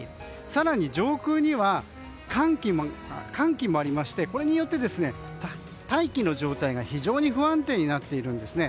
更に上空には寒気もありましてこれによって、大気の状態が非常に不安定になっているんです。